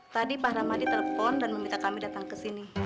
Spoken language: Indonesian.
tadi pak ramadi telepon dan meminta kami datang kesini